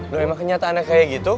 loh emang kenyataannya kayak gitu